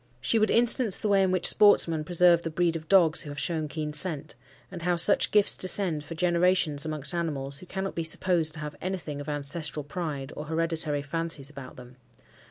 She would instance the way in which sportsmen preserve the breed of dogs who have shown keen scent; and how such gifts descend for generations amongst animals, who cannot be supposed to have anything of ancestral pride, or hereditary fancies about them.